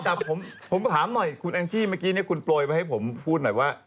แต่ผมถามหน่อยคุณแองจี้เมื่อกี้คุณโปรยไว้ให้ผมพูดหน่อยว่า